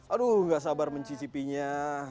aduh gak sabar mencicipinya